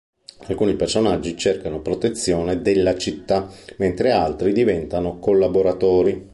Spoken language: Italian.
Alcuni personaggi cercano protezione della città, mentre altri diventano collaboratori.